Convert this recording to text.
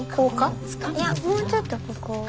いやもうちょっとここを。